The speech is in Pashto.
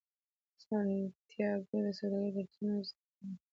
سانتیاګو د سوداګرۍ درسونه زده کوي.